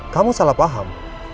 kamu salah paham